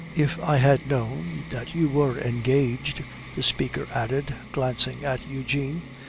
"If I had known that you were engaged " the speaker added, glancing at Eugene.